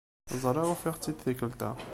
Ẓriɣ ufiɣ-tt-id tikkelt-a.